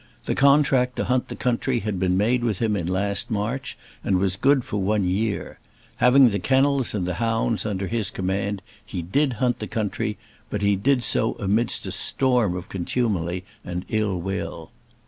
The contract to hunt the country had been made with him in last March, and was good for one year. Having the kennels and the hounds under his command he did hunt the country; but he did so amidst a storm of contumely and ill will.